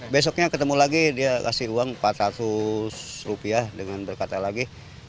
besoknya ketemu lagi dia kasih uang empat ratus dengan berkata lagi